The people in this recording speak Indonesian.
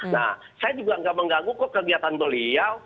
nah saya juga nggak mengganggu kok kegiatan beliau